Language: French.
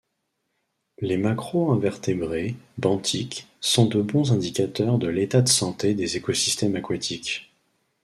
Les macroinvertébrés benthiques sont de bons indicateurs de l’état de santé des écosystèmes aquatiques.